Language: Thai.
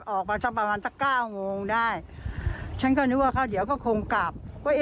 ออกมาสักประมาณสักเก้าโมงได้ฉันก็นึกว่าเขาเดี๋ยวก็คงกลับ